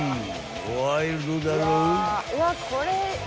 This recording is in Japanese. ［ワイルドだろ？］